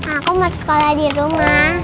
aku mau ke sekolah di rumah